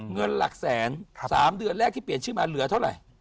เงินหลักแสน๓เดือนแรกที่เปลี่ยนชื่อมาเหลือเท่าไหร่